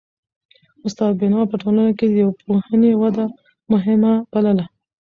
استاد بینوا په ټولنه کي د پوهنې وده مهمه بلله.